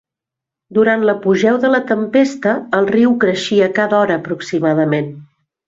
Durant l'apogeu de la tempesta, el riu creixia cada hora aproximadament.